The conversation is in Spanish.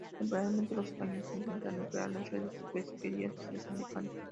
Temporalmente los españoles intentaron operar las redes y pesquerías de los americanos.